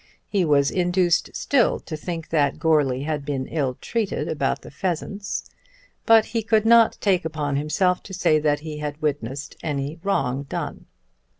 He was induced still to think that Goarly had been ill treated about the pheasants; but he could not take upon himself to say that he had witnessed any wrong done.